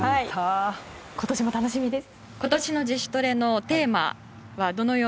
今年も楽しみです！